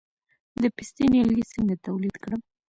د پستې نیالګي څنګه تولید کړم؟